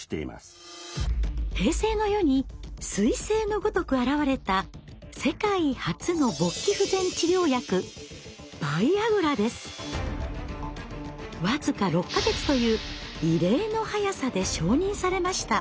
平成の世に彗星のごとく現れた世界初の勃起不全治療薬僅か６か月という異例の早さで承認されました。